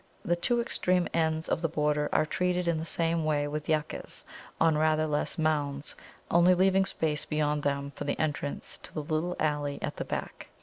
The two extreme ends of the border are treated in the same way with Yuccas on rather lesser mounds, only leaving space beyond them for the entrance to the little alley at the back.